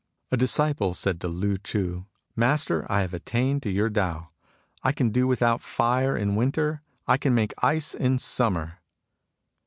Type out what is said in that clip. A disciple said to Lu Chii :" Master, I have attained to your Tao. I can do without fire in winter. I can make ice in summer."